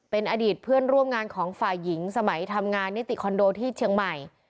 เป็นอดีตเพื่อนร่วมงานของฝ่ายหญิงสมัยทำงานนิติคอนโดที่เชียงใหม่